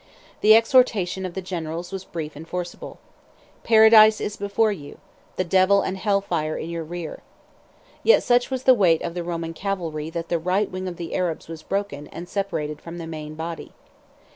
75 The exhortation of the generals was brief and forcible: "Paradise is before you, the devil and hell fire in your rear." Yet such was the weight of the Roman cavalry, that the right wing of the Arabs was broken and separated from the main body.